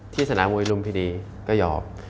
ที่สนามวงอีกรวมพิรีก็โยบ